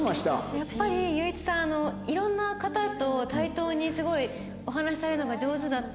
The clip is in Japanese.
やっぱり優一さん色んな方と対等にすごいお話しされるのが上手だったんで。